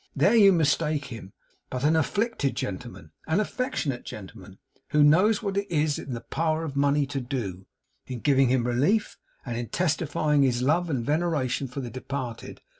There you mistake him; but an afflicted gentleman, an affectionate gentleman, who knows what it is in the power of money to do, in giving him relief, and in testifying his love and veneration for the departed.